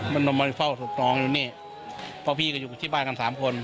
มันมาเฝ้าศพน้องอยู่นี่เพราะพี่ก็อยู่ที่บ้านกันสามคน